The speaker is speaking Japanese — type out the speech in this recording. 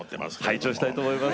拝聴したいと思います。